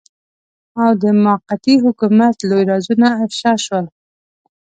او د موقتي حکومت لوی رازونه افشاء شول.